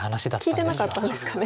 聞いてなかったんですかね。